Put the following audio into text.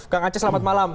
kang aceh selamat malam